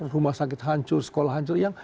rumah sakit hancur sekolah hancur yang